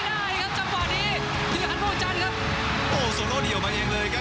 ได้ครับจังหวะนี้ธีรพันธ์ม่วงจันทร์ครับโอ้โหโซโลเดี่ยวมาเองเลยครับ